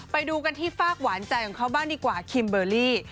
ไปดูกันที่ฝากหวานใจของเขาบ้างดีกว่าคิมเบอร์รี่